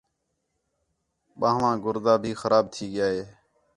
ٻان٘ہواں گُردا بھی خراب تھی ڳِیا ہِے